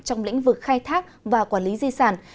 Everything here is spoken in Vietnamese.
trong lĩnh vực khai thác và quản lý di sản